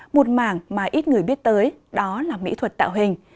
một mảng mà ít người biết tới đó là mỹ thuật tạo hình